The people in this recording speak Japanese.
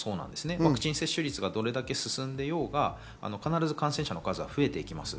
ワクチン接種率が進んでいようが、必ず感染者の数は増えていきます。